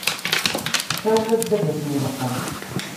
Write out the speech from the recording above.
Sawel-as-d ad asen-ileqqem.